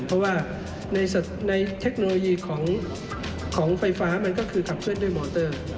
เพราะว่าในเทคโนโลยีของไฟฟ้ามันก็คือขับเคลื่อนด้วยมอเตอร์